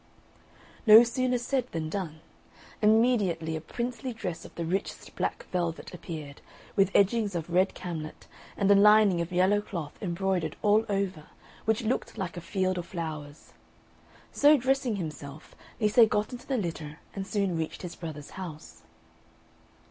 No sooner said than done: immediately a princely dress of the richest black velvet appeared, with edgings of red camlet and a lining of yellow cloth embroidered all over, which looked like a field of flowers. So dressing himself, Lise got into the litter and soon reached his brother's house.